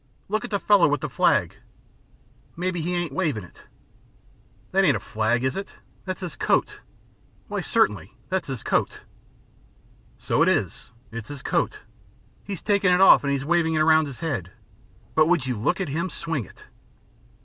Look at the fellow with the flag. Maybe he ain't waving it." "That ain't a flag, is it? That's his coat. Why, certainly, that's his coat." "So it is. It's his coat. He's taken it off and is waving it around his head. But would you look at him swing it."